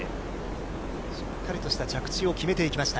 しっかりとした着地を決めていきました。